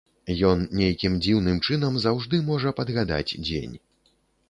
Ён нейкім дзіўным чынам заўжды можа падгадаць дзень.